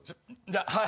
はい。